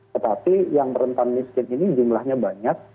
tetapi yang rentan miskin ini jumlahnya banyak